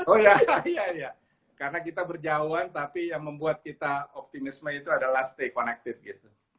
oh iya iya karena kita berjauhan tapi yang membuat kita optimisme itu adalah stay connected gitu